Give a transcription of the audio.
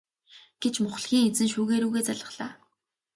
гэж мухлагийн эзэн шүүгээ рүүгээ заалаа.